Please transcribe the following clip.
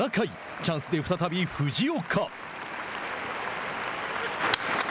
チャンスで再び藤岡。